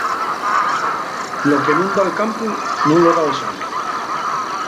Lo que nun lo da'l campu nun lo da'l santu.